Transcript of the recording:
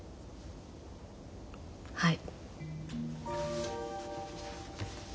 はい。